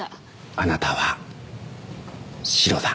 あなたはシロだ。